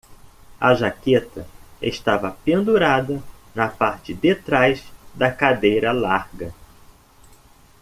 A jaqueta estava pendurada na parte de trás da cadeira larga.